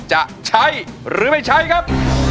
จะใช้หรือไม่ใช้ครับ